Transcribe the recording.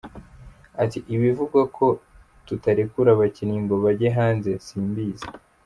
Ati “Ibivugwa ko tutarekura abakinnyi ngo bajye hanze simbizi.